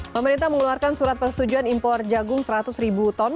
pemerintah mengeluarkan surat persetujuan impor jagung seratus ribu ton